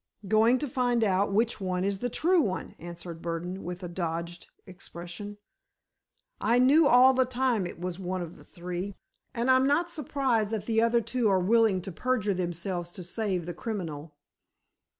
"Going to find out which is the true one," answered Burdon, with a dogged expression. "I knew all the time it was one of the three, and I'm not surprised that the other two are willing to perjure themselves to save the criminal."